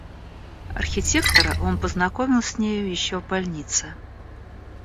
Архитектора он познакомил с нею еще в больнице.